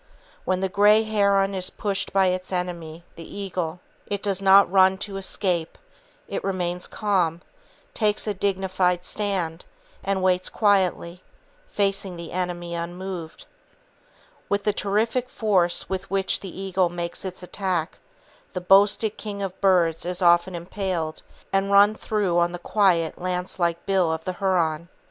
When the grey heron is pursued by its enemy, the eagle, it does not run to escape; it remains calm, takes a dignified stand, and waits quietly, facing the enemy unmoved. With the terrific force with which the eagle makes its attack, the boasted king of birds is often impaled and run through on the quiet, lance like bill of the heron.